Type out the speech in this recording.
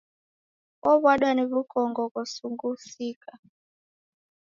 Owadwa ni wukongo ghosughusika.